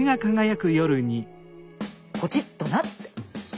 ポチッとなって。